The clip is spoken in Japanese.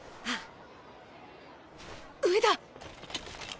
あっ。